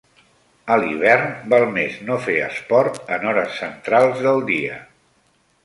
A l'hivern val més no fer esport en hores centrals del dia.